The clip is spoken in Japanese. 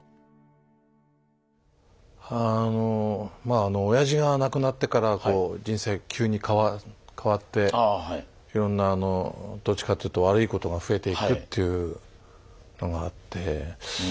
あのまあおやじが亡くなってから人生急に変わっていろんなあのどっちかというと悪いことが増えていくっていうのがあって。